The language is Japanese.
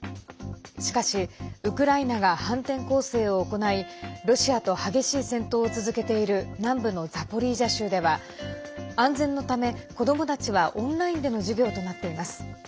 しかし、ウクライナが反転攻勢を行いロシアと激しい戦闘を続けている南部のザポリージャ州では安全のため子どもたちは、オンラインでの授業となっています。